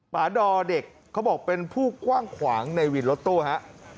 ดอเด็กเขาบอกเป็นผู้กว้างขวางในวินรถตู้ฮะ